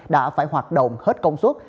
đã phải hoạt động hết công suất